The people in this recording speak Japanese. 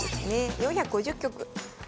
４５０局。